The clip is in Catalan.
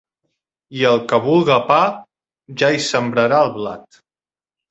I el que vulga pa, ja hi sembrarà el blat.